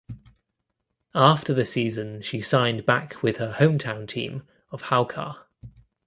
After the season she signed back with her hometown team of Haukar.